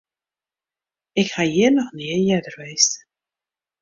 Ik ha hjir noch nea earder west.